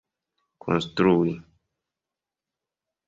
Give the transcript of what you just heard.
konstrui